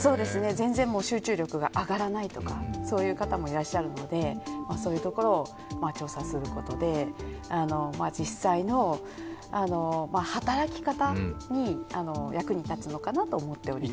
全然集中力が上がらないとか、そういう方もいらっしゃるのでそういうところを調査することで実際の働き方に役に立つのかなと思っております。